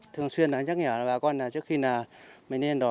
thường xuyên là nhắc nhở là bà con trước khi mình lên đó